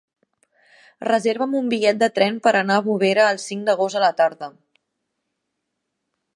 Reserva'm un bitllet de tren per anar a Bovera el cinc d'agost a la tarda.